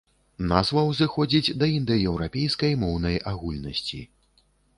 Назва ўзыходзіць да індаеўрапейскай моўнай агульнасці.